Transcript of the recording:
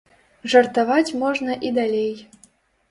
Жартаваць можна і далей.